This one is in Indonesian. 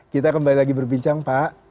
kita kembali lagi berbincang pak